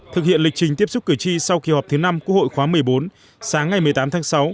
thực hiện lịch trình tiếp xúc cử tri sau kỳ họp thứ năm quốc hội khóa một mươi bốn sáng ngày một mươi tám tháng sáu